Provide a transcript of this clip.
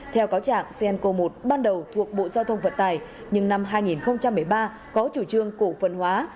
theo cáo trạng sienco i ban đầu thuộc bộ giao thông vận tài nhưng năm hai nghìn một mươi ba có chủ trương cổ phân hóa